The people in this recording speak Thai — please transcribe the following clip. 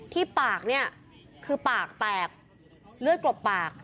ที่ปากเนี่ยคือปากแตกเลือดกลบปาก